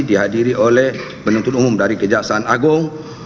dihadiri oleh penuntut umum dari kejaksaan agung